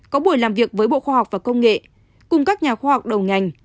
có buổi làm việc với bộ khoa học và công nghệ cùng các nhà khoa học đầu ngành